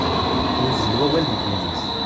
Yuzzel wawal deg yimi-s.